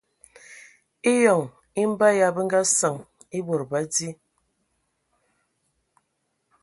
Eyɔŋ e be ya bə nga səŋ e bod ba di.